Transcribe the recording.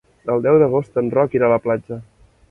El deu d'agost en Roc irà a la platja.